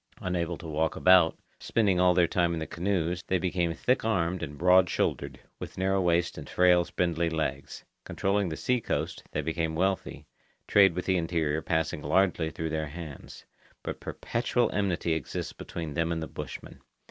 Unable to walk about, spending all their time in the canoes, they became thick armed and broad shouldered, with narrow waists and frail spindly legs. Controlling the sea coast, they became wealthy, trade with the interior passing largely through their hands. But perpetual enmity exists between them and the bushmen.